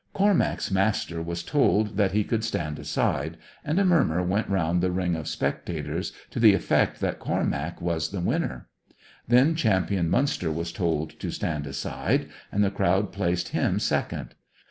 Cormac's master was told that he could stand aside, and a murmur went round the ring of spectators to the effect that Cormac was the winner. Then Champion Munster was told to stand aside, and the crowd placed him second.